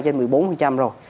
trên một mươi bốn rồi